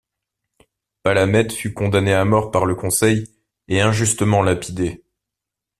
Palamède fut condamné à mort par le Conseil, et injustement lapidé.